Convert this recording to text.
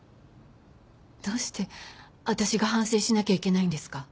どうしてあたしが反省しなきゃいけないんですか。